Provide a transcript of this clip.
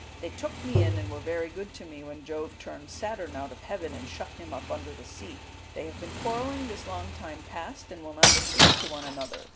They took me in and were very good to me when Jove turned Saturn out of heaven and shut him up under the sea. They have been quarrelling this long time past and will not speak to one another.